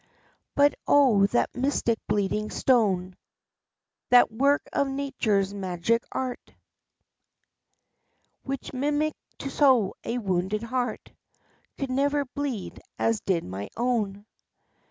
But, oh, that mystic bleeding stone, that work of Nature's magic art, Which mimicked so a wounded heart, could never bleed as did my own!